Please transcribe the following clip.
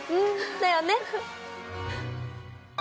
だよね。